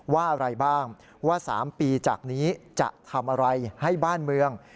อะไรบ้างว่า๓ปีจากนี้จะทำอะไรให้บ้านเมือง